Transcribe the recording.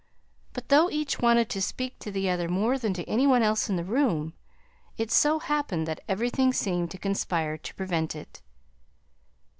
But though each wanted to speak to the other more than to any one else in the room, it so happened that everything seemed to conspire to prevent it.